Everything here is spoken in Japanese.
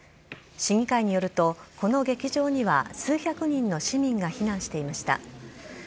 市議会によるとこの劇場には数百人の市民が避難していました。